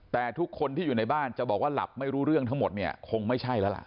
แต่ทุกคนที่อยู่ในบ้านจะบอกว่าหลับไม่รู้เรื่องทั้งหมดเนี่ยคงไม่ใช่แล้วล่ะ